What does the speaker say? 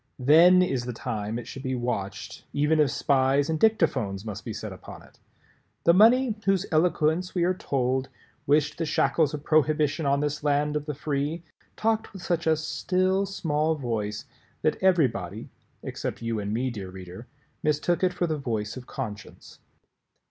Then is the time it should be watched, even if spies and dictaphones must be set upon it. The money whose eloquence, we are told, wished the shackles of Prohibition on this land of the free, talked with such a "still small voice" that everybody (except you and me, dear Reader) mistook it for the voice of conscience.